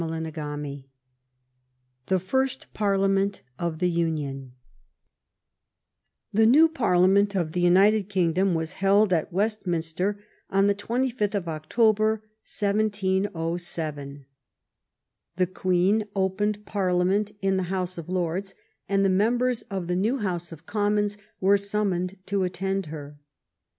CHAPTER XV THE FIBST FABLIAHERT OF THB UKIOIT The new Parliament of the United Kingdom was held at Westminster on the 25th of October, 1707. The Queen opened Farliament in the House of Lords, and the members of the new House of Commons were sum moned to attend her.